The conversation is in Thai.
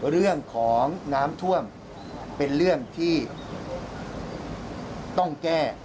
เรื่องของน้ำท่วมเป็นเรื่องที่ต้องแก้